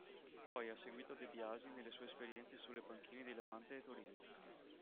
Poi ha seguito De Biasi nelle sue esperienze sulle panchine di Levante e Torino.